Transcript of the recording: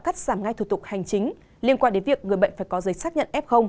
cắt giảm ngay thủ tục hành chính liên quan đến việc người bệnh phải có giấy xác nhận f